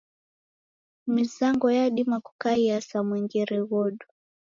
Mizango yadima kukaiya sa mwengere ghodu.